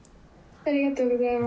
「ありがとうございます」